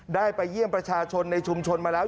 ได้ไปเยี่ยมประชาชนในชุมชนมาแล้ว